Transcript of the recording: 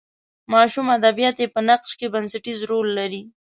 ماشوم ادبیات یې په نقش کې بنسټیز رول لري.